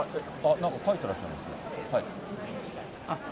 なんか書いてらっしゃる。